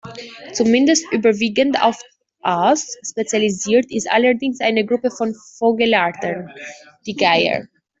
Zumindest überwiegend auf Aas spezialisiert ist allerdings eine Gruppe von Vogelarten, die Geier.